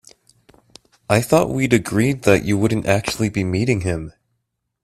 I thought we'd agreed that you wouldn't actually be meeting him?